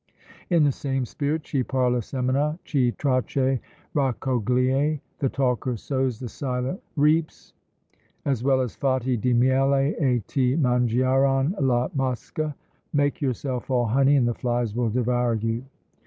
In the same spirit, Chi parla semina, chi tace raccoglie: "The talker sows, the silent reaps;" as well as, Fatti di miele, e ti mangieran le mosche: "Make yourself all honey, and the flies will devour you."